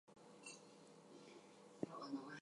Each character has unique special moves.